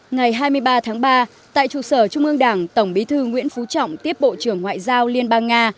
ngày hai mươi ba tháng ba tại trụ sở trung ương đảng tổng bí thư nguyễn phú trọng tiếp bộ trưởng ngoại giao liên bang nga